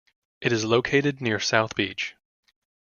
It is located near South Beach.